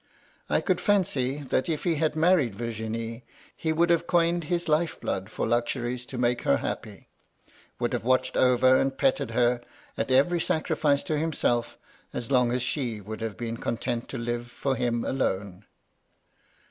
I could fancy that if he had married Virginie, he would have coined his life blood for luxuries to make her happy ; would have watched over and petted her, at every sacrifice to himself, as long as she would have been content to live for him alone.